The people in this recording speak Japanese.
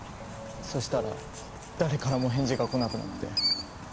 そしたらだれからも返事が来なくなって。